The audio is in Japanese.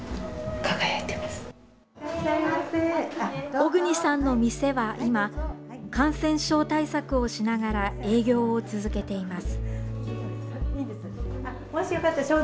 小國さんの店は今感染症対策をしながら営業を続けています。